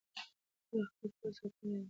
دوی خپل پوځ ساتلی دی.